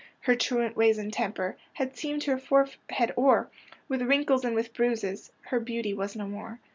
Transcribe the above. Her truant ways and temper Had seamed her forehead o'er With wrinkles and with bruises,— Her beauty was no more.